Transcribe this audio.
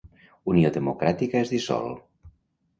Unió Democràtica es dissol.